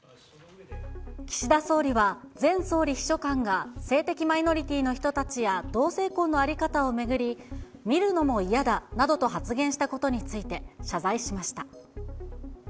岸田総理は前総理秘書官が性的マイノリティーの人たちや同性婚の在り方を巡り、見るのも嫌だなどと発言したことについて、謝罪しました。